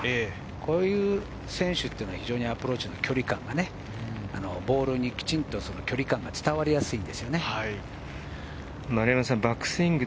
こういう選手は非常にアプローチの距離感が、ボールにきちんと距離感が伝わりやすいんですよね。